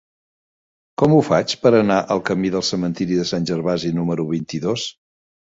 Com ho faig per anar al camí del Cementiri de Sant Gervasi número vint-i-dos?